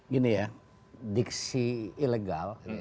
gini ya diksi ilegal